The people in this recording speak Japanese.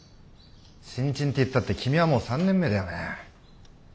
新人っていったって君はもう３年目だよね。